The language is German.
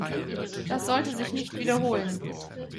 Das sollte sich nicht wiederholen.